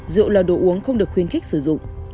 rượu là đồ uống không được khuyến khích sử dụng